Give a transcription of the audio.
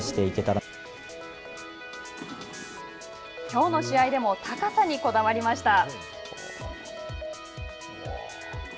きょうの試合でも高さにこだわりました。